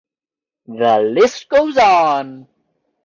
The list goes on.